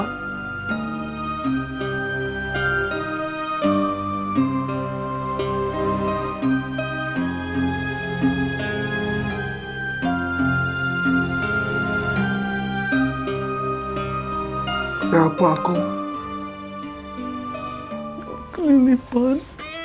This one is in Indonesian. kenapa aku keliphan